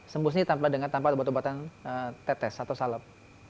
sembus ini tanpa obat obatan tetes atau salep